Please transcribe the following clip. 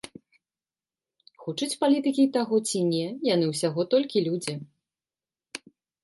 Хочуць палітыкі таго ці не, яны ўсяго толькі людзі.